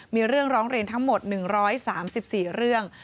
มีเรื่องร้องเรียนทั้งหมด๑๓๔เรื่อง